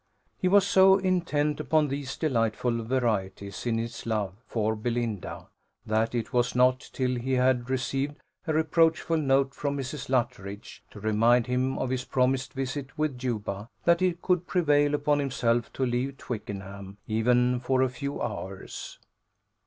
He was so intent upon these delightful varieties in his love for Belinda that it was not till he had received a reproachful note from Mrs. Luttridge, to remind him of his promised visit with Juba, that he could prevail upon himself to leave Twickenham, even for a few hours.